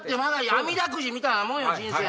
あみだくじみたいなもんや人生